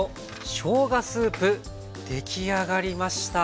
出来上がりました。